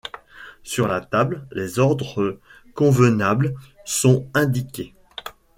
Sur la table, les ordres convenables sont indiqués.